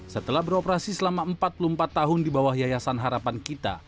setelah beroperasi selama empat puluh empat tahun di bawah yayasan harapan kita